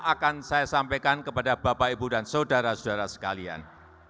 akan saya sampaikan kepada bapak ibu dan saudara saudara sekalian